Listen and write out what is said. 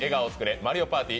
「マリオパーティー」